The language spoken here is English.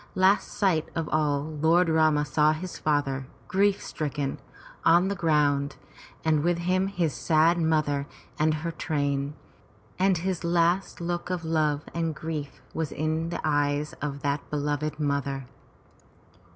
Last sight of all, Lord Rama saw his father, grief stricken, on the ground, and with him his sad mother and her train, and his last look of love and grief was in the eyes of that beloved mother.